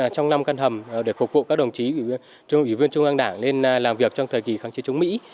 trong năm căn hầm để phục vụ các đồng chí ủy viên trung an đảng lên làm việc trong thời kỳ kháng chiến chống mỹ